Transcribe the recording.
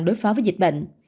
đối phó với dịch bệnh